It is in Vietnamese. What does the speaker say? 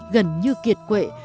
gần như kiệt quệ